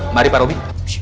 mari pak robi